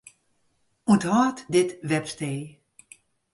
Unthâld dit webstee.